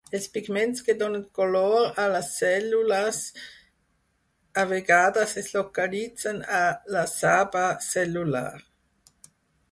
Els pigments que donen color a les cèl·lules a vegades es localitzen a la saba cel·lular.